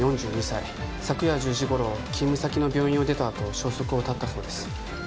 ４２歳昨夜１０時ごろ勤務先の病院を出たあと消息を絶ったそうです